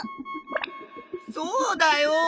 そうだよ！